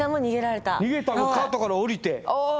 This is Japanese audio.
カートから降りて。